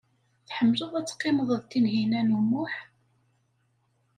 Tḥemmleḍ ad teqqimeḍ d Tinhinan u Muḥ?